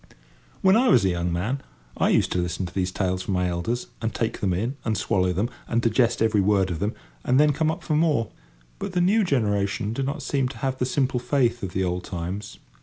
When I was a young man, I used to listen to these tales from my elders, and take them in, and swallow them, and digest every word of them, and then come up for more; but the new generation do not seem to have the simple faith of the old times.